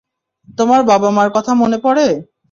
তোমার বাবা-মার কথা মনে পড়ে?